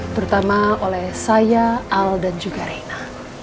terutama oleh saya al dan juga reina